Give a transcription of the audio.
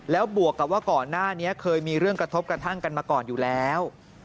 แล้วบวกกับว่าก่อนหน้านี้เคยมีเรื่องกระทบกระทั่งกันมาก่อนอยู่แล้ว